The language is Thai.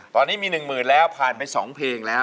ตอนนี้มีหนึ่งหมื่นบาทแล้วผ่านไปสองเพลงแล้ว